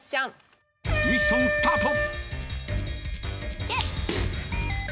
ミッションスタート。